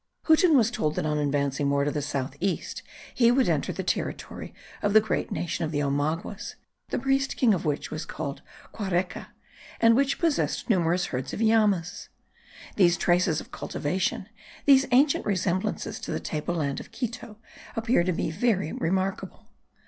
Huten was told that on advancing more to the south east he would enter the territory of the great nation of the Omaguas, the priest king of which was called Quareca, and which possessed numerous herds of llamas. These traces of cultivation these ancient resemblances to the table land of Quito appear to me very remarkable.